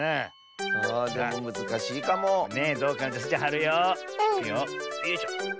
よいしょ。